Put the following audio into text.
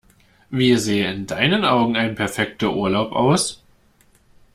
Wie sähe in deinen Augen ein perfekter Urlaub aus?